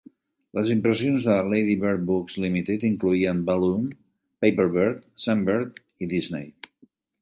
Les impressions de Ladybird Books Limited incloïen Balloon, Paperbird, Sunbird i Disney.